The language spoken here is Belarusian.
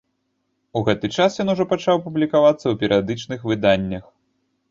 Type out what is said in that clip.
У гэты час ён ужо пачаў публікавацца ў перыядычных выданнях.